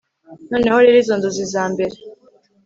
Noneho rero izo nzozi za mbere